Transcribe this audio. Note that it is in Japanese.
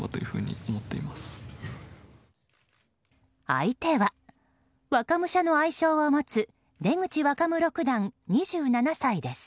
相手は若武者の愛称を持つ出口若武六段、２７歳です。